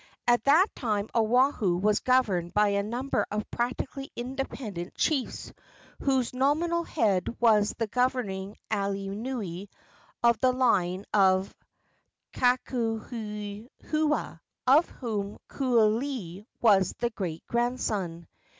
At that time Oahu was governed by a number of practically independent chiefs, whose nominal head was the governing alii nui of the line of Kakuhihewa, of whom Kualii was the great grandson.